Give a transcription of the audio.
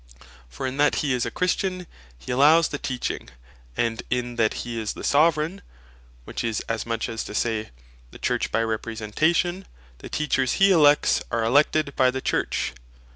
For in that he is a Christian, he allowes the Teaching; and in that he is the Soveraign (which is as much as to say, the Church by Representation,) the Teachers hee elects, are elected by the Church.